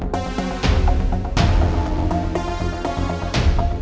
kamu yang bakal lihat